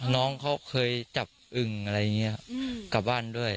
น้องเขาเคยจับอึ่งอะไรอย่างนี้กลับบ้านด้วย